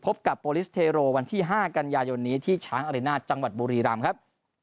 พบกับโปรลิสเทโรวันที่๕กันยายนนี้ที่ช้างอรินาทจังหวัดบุรีรำครับ